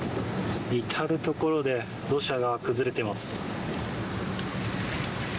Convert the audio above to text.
至る所で土砂が崩れてます。